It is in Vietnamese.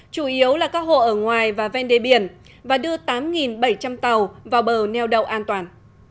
chủ yếu là các hộ ở ngoài và ven đê biển và đưa tám bảy trăm linh tàu vào bờ neo đậu an toàn